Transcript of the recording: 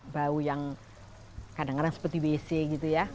bau yang kadang kadang seperti wc gitu ya